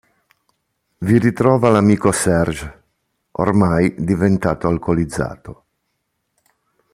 Vi ritrova l'amico Serge, ormai diventato alcolizzato.